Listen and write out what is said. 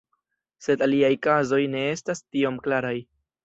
Sed aliaj kazoj ne estas tiom klaraj.